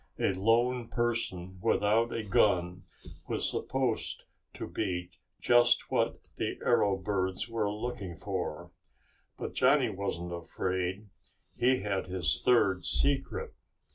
A lone person without a gun was supposed to be just what the arrow birds were looking for. But Johnny wasn't afraid. He had his third secret.